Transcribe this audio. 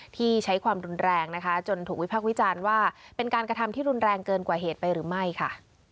ที่ใช้ความรุนแรงนะคะจนถูกวิพากษ์วิจารณ์ว่าเป็นการกระทำที่รุนแรงเกินกว่าเหตุไปหรือไม่ค่ะ